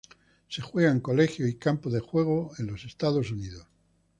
Se juega en colegios y campos de juegos en los Estados Unidos.